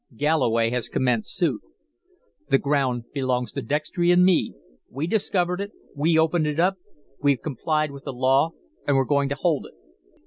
"Galloway has commenced suit." "The ground belongs to Dextry and me. We discovered it, we opened it up, we've complied with the law, and we're going to hold it."